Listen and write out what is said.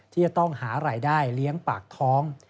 ที่จะต้องหารายได้เลี้ยงปากท้อง